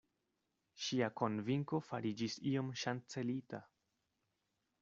Ŝia konvinko fariĝis iom ŝancelita.